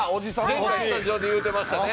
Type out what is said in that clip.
前回スタジオで言うてましたね。